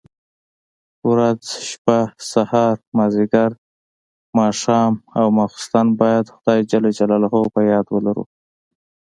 ورځ، شپه، سهار، ماځيګر، ماښام او ماخستن بايد خداى جل جلاله په ياد ولرو.